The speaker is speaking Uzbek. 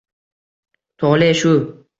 Tole shu